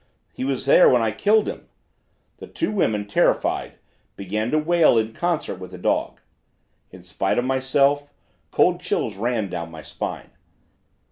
He was there when I killed him.' The two women, terrified, began to wail in concert with the dog. "In spite of myself, cold chills ran down my spine.